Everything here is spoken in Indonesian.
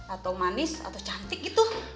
atau manis atau cantik gitu